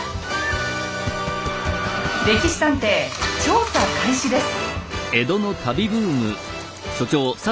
「歴史探偵」調査開始です。